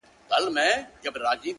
o د زړه له درده دا نارۍ نه وهم ـ